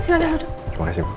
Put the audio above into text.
terima kasih bu